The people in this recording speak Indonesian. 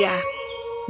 dan latna untuk dia